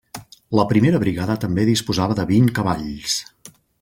La primera brigada també disposava de vint cavalls.